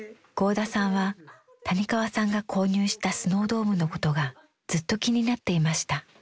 合田さんは谷川さんが購入したスノードームのことがずっと気になっていました。